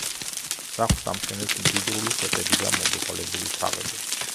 სახლს ამშვენებს მდიდრული სვეტები და მომრგვალებული თაღები.